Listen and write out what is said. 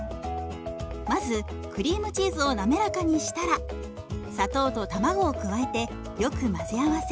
まずクリームチーズを滑らかにしたら砂糖と卵を加えてよく混ぜ合わせ